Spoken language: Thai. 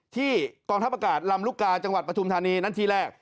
กองทัพอากาศลำลูกกาจังหวัดปฐุมธานีนั่นที่แรก